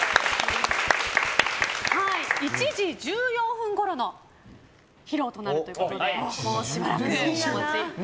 １時１４分ごろの披露となるということでもうしばらくお待ちください。